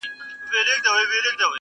د مینو اسوېلیو ته دي پام دی,